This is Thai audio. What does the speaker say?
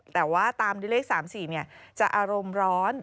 แต่ว่าตามด้วยเลข๓๔จะอารมณ์ร้อน